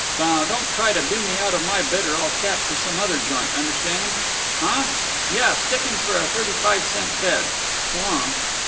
Now don't try to do me out of my bit or I'll cap for some other joint, understand? Huh? Yuh, stick him for a thirty five cent bed. S' long."